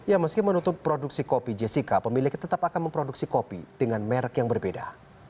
ya meski menutup produksi kopi jessica pemilik tetap akan memproduksi kopi dengan merek yang berbeda